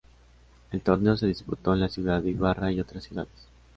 El torneo se disputó en la ciudad de Ibarra y otras ciudades.